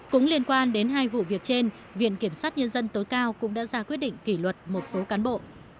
cũng liên quan đến hai vụ việc trên viện kiểm sát nhân dân tối cao cũng đã ra quyết định kỷ luật một số cán bộ